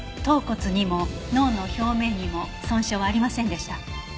頭骨にも脳の表面にも損傷はありませんでした。